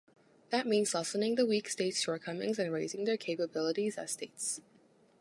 That means lessening the weak states’ shortcomings and raising their capabilities as states.